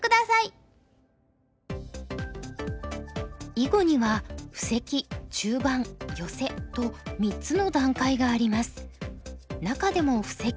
囲碁には布石中盤ヨセと３つの段階があります。